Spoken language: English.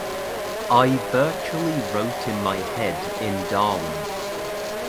I virtually wrote in my head in Darwin.